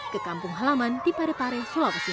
ke kampung halaman di parepare sulawesi